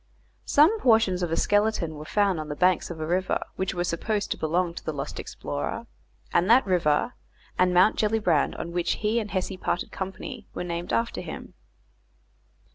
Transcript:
Some portions of a skeleton were found on the banks of a river, which were supposed to belong to the lost explorer, and that river, and Mount Gellibrand, on which he and Hesse parted company, were named after him.